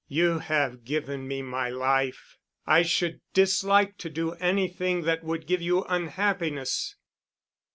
"You have given me my life. I should dislike to do anything that would give you unhappiness."